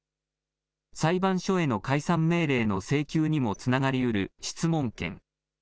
裁判所への解散命令の請求にもつながりうる質問権。